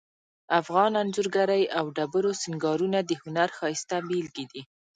افغان انځورګری او ډبرو سنګارونه د هنر ښایسته بیلګې دي